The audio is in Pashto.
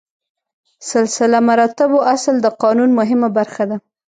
سلسله مراتبو اصل د قانون مهمه برخه ده.